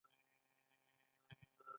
دوی اقتصاد د فشار د وسیلې په توګه کاروي